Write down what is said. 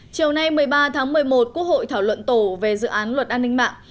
chiều nay một mươi ba tháng một mươi một quốc hội thảo luận tổ về dự án luật an ninh mạng